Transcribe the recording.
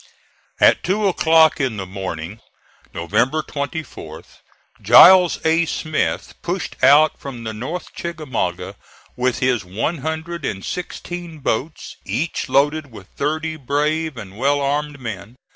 At two o'clock in the morning, November 24th, Giles A. Smith pushed out from the North Chickamauga with his one hundred and sixteen boats, each loaded with thirty brave and well armed men.